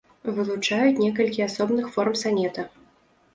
Вылучаюць некалькі асобных форм санета.